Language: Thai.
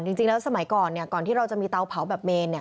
จริงแล้วสมัยก่อนก่อนที่เราจะมีเตาเผาแบบเมน